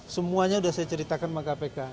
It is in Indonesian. semuanya sudah saya ceritakan sama kpk